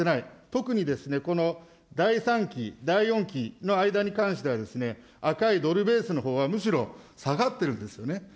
特にこの第３期、第４期の間に関しては、赤いドルベースのほうはむしろ下がってるんですよね。